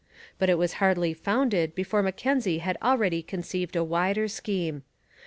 But it was hardly founded before Mackenzie had already conceived a wider scheme.